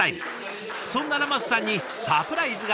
そんなラマスさんにサプライズが。